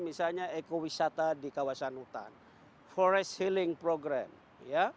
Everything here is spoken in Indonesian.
misalnya ekowisata di kawasan hutan forest healing program ya